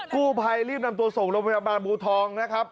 กู้ภัยรีบนำตัวส่งโรงพยาบาลบูทองนะครับ